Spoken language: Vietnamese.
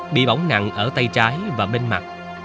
bị bỏng nặng ở tay trái và bên mặt